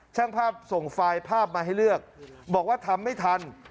ช่างภาพส่งไฟล์ภาพมาให้เลือกบอกว่าทำไม่ทัน